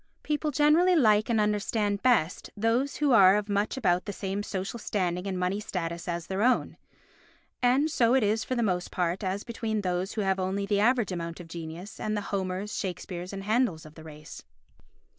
People generally like and understand best those who are of much about the same social standing and money status as their own; and so it is for the most part as between those who have only the average amount of genius and the Homers, Shakespeares and Handels of the race.